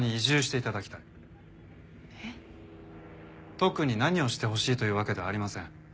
特に何をしてほしいというわけではありません。